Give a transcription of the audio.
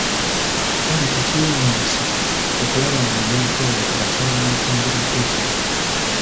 Kale tekyewuunyisa okulaba ng'omuntu oyo akyawa n'ekyandibadde ekirungi!